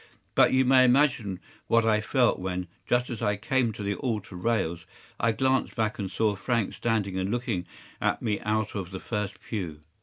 But you may imagine what I felt when, just as I came to the altar rails, I glanced back and saw Frank standing and looking at me out of the first pew.